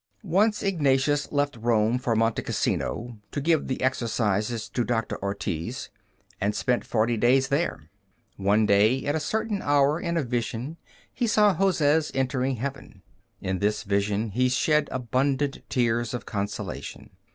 Once Ignatius left Rome for Monte Cassino, to give the Exercises to Doctor Ortiz, and spent forty days there. One day, at a certain hour, in a vision, he saw Hozes entering heaven. In this vision he shed abundant tears of consolation.